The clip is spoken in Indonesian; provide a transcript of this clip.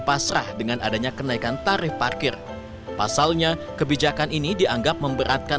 pasrah dengan adanya kenaikan tarif parkir pasalnya kebijakan ini dianggap memberatkan